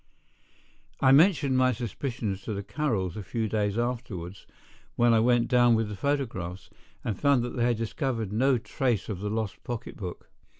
I mentioned my suspicions to the Carrolls a few days afterwards, when I went down with the photographs, and found that they had discovered no trace of the lost pocketbook.